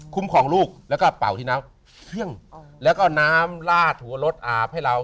คุ้มครองลูกแล้วก็เป่าที่น้ำเพื่องแล้วก็น้ำลาดหัวลดอาบให้เรา